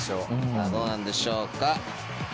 さぁどうなんでしょうか？